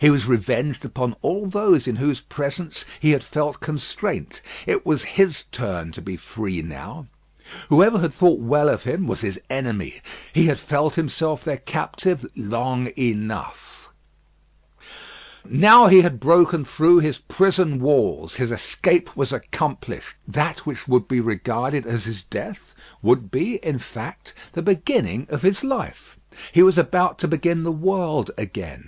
He was revenged upon all those in whose presence he had felt constraint. It was his turn to be free now. Whoever had thought well of him was his enemy. He had felt himself their captive long enough. Now he had broken through his prison walls. His escape was accomplished. That which would be regarded as his death, would be, in fact, the beginning of his life. He was about to begin the world again.